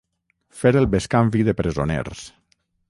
Fer el bescanvi de presoners.